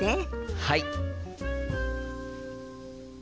はい！